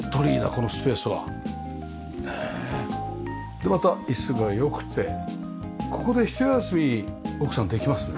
でまた椅子が良くてここで一休み奥さんできますね。